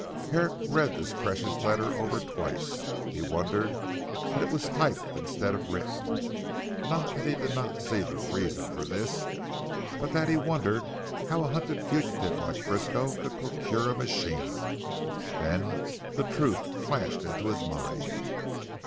Herrick read this precious letter over twice. He wondered that it was typed instead of written, not that he did not see the reason for this, but that he wondered how a hunted fugitive like Frisco could procure a machine. Then the truth flashed into his mind.